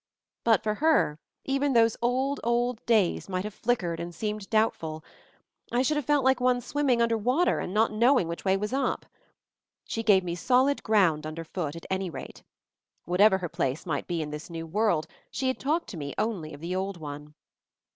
But for her, even those old, old days might have flickered and seemed doubtful — I should have felt like one swimming under water and not knowing, which way was up. She gave me solid ground underfoot at any rate. Whatever her place might be in this New World, she had talked to me only of the old one.